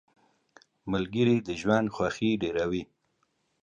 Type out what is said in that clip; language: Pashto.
• ملګري د ژوند خوښي ډېروي.